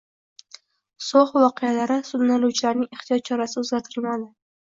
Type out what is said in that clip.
“So‘x voqealari” sudlanuvchilarning ehtiyot chorasi o‘zgartirilmadi